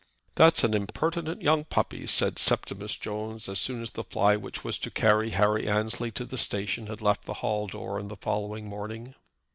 "That's an impertinent young puppy," said Septimus Jones as soon as the fly which was to carry Harry Annesley to the station had left the hall door on the following morning.